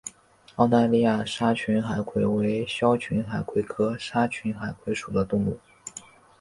澳大利亚沙群海葵为鞘群海葵科沙群海葵属的动物。